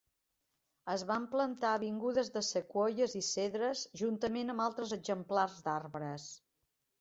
Es van plantar avingudes de sequoies i cedres juntament amb altres exemplars d'arbres.